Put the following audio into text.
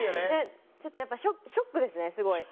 ちょっとやっぱりショックですねすごい。